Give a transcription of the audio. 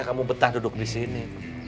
kamu betah duduk disini